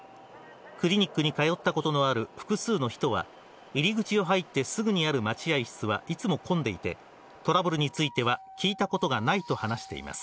クリニックに通ったことのある複数の人は、入り口を入ってすぐにある待合室はいつも混んでいて、トラブルについては聞いたことがないと話しています。